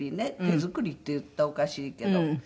手作りって言ったらおかしいけど。